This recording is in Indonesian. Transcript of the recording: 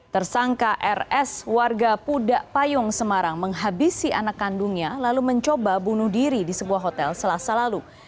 tersangka rs warga pudak payung semarang menghabisi anak kandungnya lalu mencoba bunuh diri di sebuah hotel selasa lalu